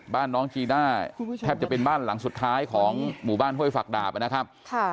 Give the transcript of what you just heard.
บ้านน้องจีน่าแทบจะเป็นบ้านหลังสุดท้ายของหมู่บ้านห้วยฝักดาบนะครับ